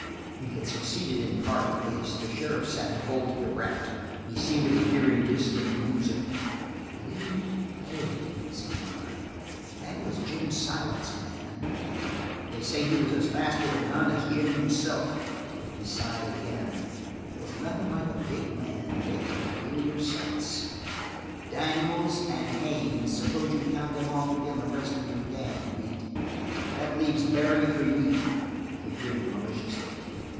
He had succeeded in part, at least. The sheriff sat bolt erect; he seemed to be hearing distant music. "Lee Haines!" he murmured. "That was Jim Silent's man. They say he was as fast with a gun as Jim himself." He sighed again. "They's nothing like a big man, Vic, to fill your sights." "Daniels and Haines, suppose you count them off agin' the rest of your gang, Pete. That leaves Barry for you." He grinned maliciously.